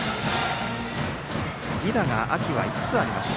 犠打が秋は５つありました。